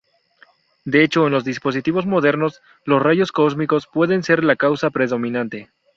De hecho, en los dispositivos modernos, los rayos cósmicos pueden ser la causa predominante.